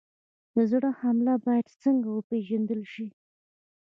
د زړه حمله باید څنګه وپېژندل شي؟